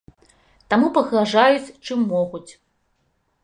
Таму пагражаюць, чым могуць.